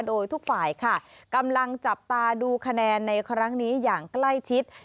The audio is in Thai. โดยทุกฝ่ายค่ะกำลังจับตาดูคะแนนในครั้งนี้อย่างใกล้ชิด